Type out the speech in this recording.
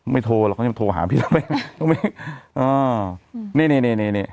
ไม่โทรหรอกเขาจะโทรหาพี่หนุ่มอ๋อเนี้ยเนี้ยเนี้ยเนี้ยเนี้ย